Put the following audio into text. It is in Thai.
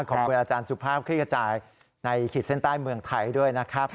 ขอบคุณอาจารย์สุภาพคลิกระจายในขีดเส้นใต้เมืองไทยด้วยนะครับ